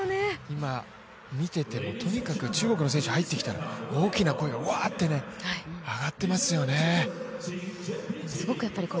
今、見ていてもとにかく中国の選手、入ってきたら大きな声が、うわーって上がってますよね。